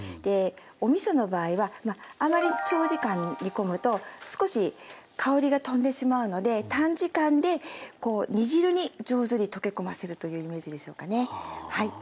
おみその場合はあまり長時間煮込むと少し香りがとんでしまうので短時間で煮汁に上手に溶け込ませるというイメージでしょうかね。